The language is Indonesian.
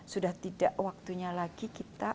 sudah tidak waktunya lagi kita